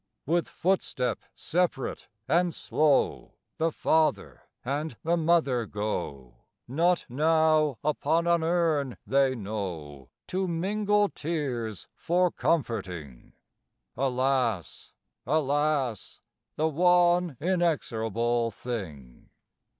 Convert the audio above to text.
With footstep separate and slow The father and the mother go, Not now upon an urn they know To mingle tears for comforting. (Alas, alas, The one inexorable thing!)